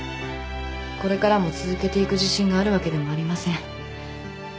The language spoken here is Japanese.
これからも続けていく自信があるわけでもありません。